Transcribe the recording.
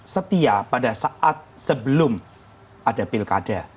setia pada saat sebelum ada pilkada